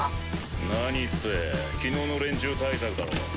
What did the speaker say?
何って昨日の連中対策だろ。